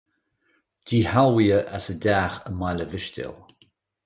Díshealbhaithe as a dteach i mBaile Mhistéal.